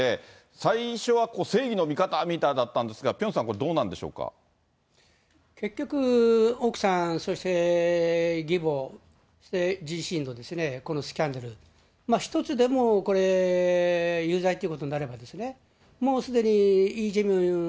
最初は正義の味方みたいだったんですが、ピョンさん、これどうな結局、奥さん、そして義母、自身と、このスキャンダル、１つでも有罪ということになればですね、もうすでにイ・ジェミョン